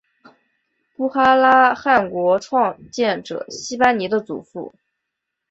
布哈拉汗国创建者昔班尼的祖父。